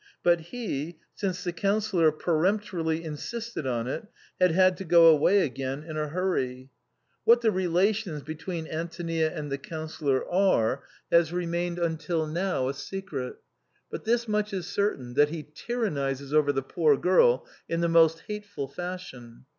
But he, since the Councillor peremptorily insisted on it, had had to go away again in a hurry. What the relations between Antonia and the Councillor are has remained lo THE CREMONA VIOLIN. until now a secret, but this much is certain, that he tyrannises over the poor girl in the most hateful fashion.